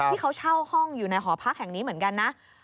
ที่เขาเช่าห้องอยู่ในหอพักแห่งนี้เหมือนกันนะ